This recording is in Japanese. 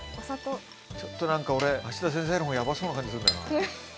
ちょっと何か俺芦田先生のほうヤバそうな感じすんだよな。